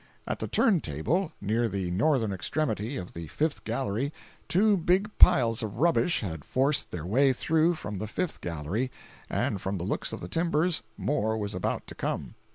At the turn table, near the northern extremity of the fifth gallery, two big piles of rubbish had forced their way through from the fifth gallery, and from the looks of the timbers, more was about to come.